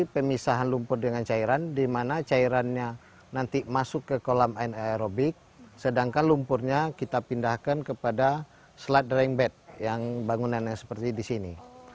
pemisahan lumpur dengan cairan di mana cairannya nanti masuk ke kolam aerobik sedangkan lumpurnya kita pindahkan kepada slide draingbed yang bangunannya seperti di sini